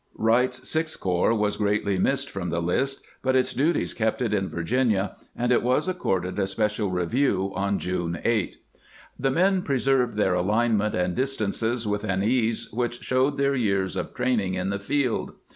Wright's Sixth Corps was greatly missed from the list, but its duties kept it in Virginia, and it was accorded a special review on June 8. The men preserved their alinement and distances with an ease which showed their years of training in the field.